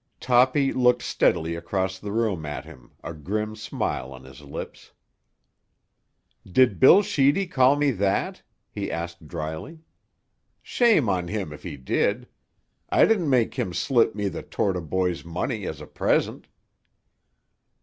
Toppy looked steadily across the room at him, a grim smile on his lips. "Did Bill Sheedy call me that?" he asked drily. "Shame on him if he did; I didn't make him slip me the Torta boys' money as a present."